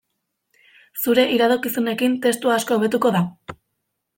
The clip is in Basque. Zure iradokizunekin testua asko hobetuko da.